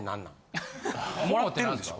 もらってるんでしょ。